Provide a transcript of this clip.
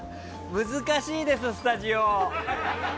難しいですよ、スタジオ。